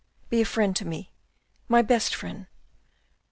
Be a friend to me, my best friend."